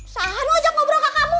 sahan aja ngobrol ke kamu